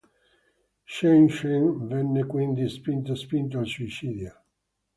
Shen Sheng venne quindi spinto spinto al suicidio.